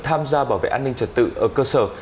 tham gia bảo vệ an ninh trật tự ở cơ sở